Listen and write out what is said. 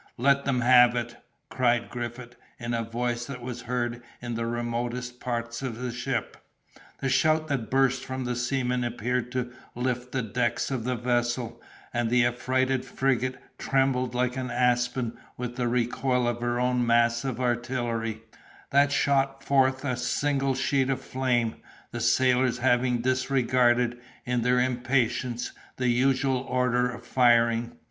"Let them have it!" cried Griffith, in a voice that was heard in the remotest parts of the ship. The shout that burst from the seamen appeared to lift the decks of the vessel, and the affrighted frigate trembled like an aspen with the recoil of her own massive artillery, that shot forth a single sheet of flame, the sailors having disregarded, in their impatience, the usual order of firing.